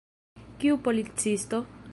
Kiu policisto?